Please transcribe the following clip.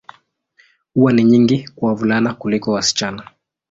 Huwa ni nyingi kwa wavulana kuliko wasichana.